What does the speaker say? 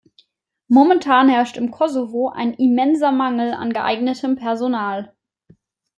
Momentan herrscht im Kosovo ein immenser Mangel an geeignetem Personal.